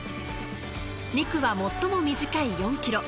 ２区は最も短い４ｋｍ。